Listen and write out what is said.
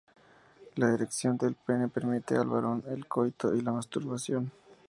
La erección del pene permite al varón el coito y la masturbación.